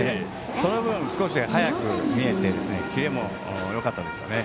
その分、少し速く見えてキレもよかったですね。